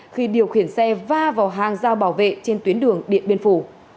khi điều khiển xe va vào hàng giao bảo vệ trên tuyến đường điện biên phủ